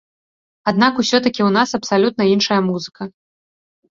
Аднак усё-такі ў нас абсалютна іншая музыка!